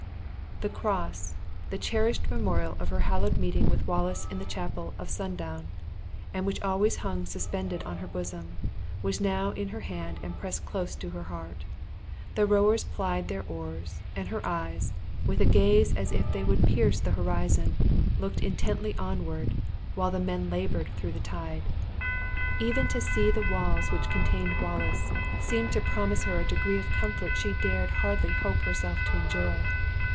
The cross, the cherished memorial of her hallowed meeting with Wallace in the chapel of Snawdoun, and which always hung suspended on her bosom, was now in her hand and pressed close to her heart. The rowers plied their oars, and her eyes, with a gaze as if they would pierce the horizon, looked intently onward, while the men labored through the tide. Even to see the walls which contained Wallace, seemed to promise her a degree of comfort she dared hardly hope herself to enjoy.